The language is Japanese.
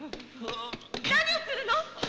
何をするの！